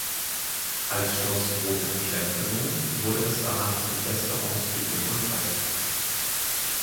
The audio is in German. Als Schloss Rothenklempenow wurde es danach zum "Gästehaus für Jung und Alt".